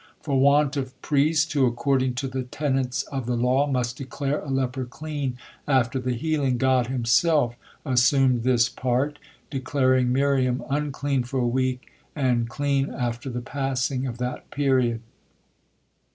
For want of priest who, according to the tenets of the law, must declare a leper clean after the healing, God Himself assumed this part, declaring Miriam unclean for a week, and clean after the passing of that period.